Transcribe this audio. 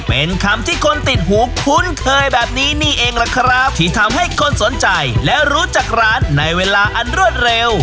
เป็นคำที่คนติดหูคุ้นเคยแบบนี้นี่เองล่ะครับที่ทำให้คนสนใจและรู้จักร้านในเวลาอันรวดเร็ว